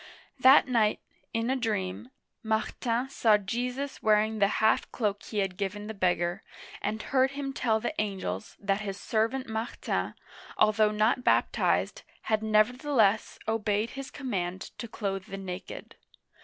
That night, in a dream, Martin saw Jesus wearing the half cloak he had given the beggar, and heard him tell the angels that his servant Martin, although not baptized, had nevertheless obeyed his command to clothe the naked.